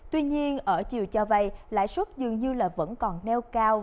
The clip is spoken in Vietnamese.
tuy nhiên ở chiều cho vây lãi suất dường như vẫn còn neo cao